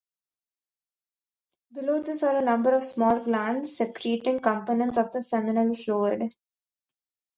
Below this are a number of small glands secreting components of the seminal fluid.